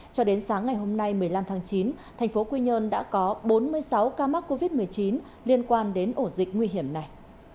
cho đến sáng ngày hôm nay một mươi năm tháng chín thành phố quy nhơn đã có bốn mươi sáu ca mắc covid một mươi chín liên quan đến ổ dịch nguy hiểm này